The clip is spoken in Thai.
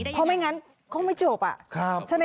เพราะไม่งั้นคงไม่จบ